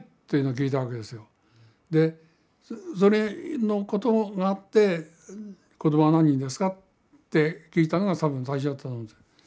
でそれのことがあって「子供は何人ですか？」って聞いたのが多分最初だったと思うんです。